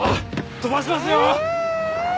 飛ばしますよ。